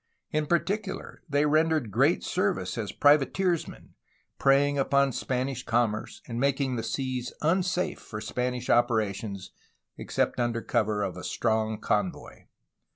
In particular they rendered great service as privateersmen, preying upon Span ish commerce and making the seas unsafe for Spanish opera tions, except under cover of a strong convoy.